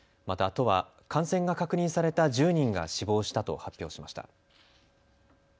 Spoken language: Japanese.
また都は感染が確認された１０人が死亡したと発表しました。